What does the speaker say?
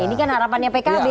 ini kan harapannya pkb